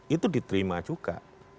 itu diterima juga